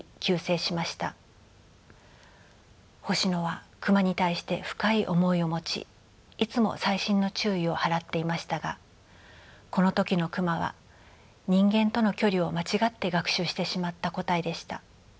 星野はクマに対して深い思いを持ちいつも細心の注意を払っていましたがこの時のクマは人間との距離を間違って学習してしまった個体でした。